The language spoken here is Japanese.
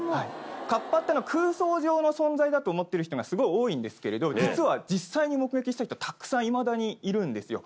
カッパってのは空想上の存在だと思ってる人がすごい多いんですけれど実は実際に目撃した人はたくさんいまだにいるんですよ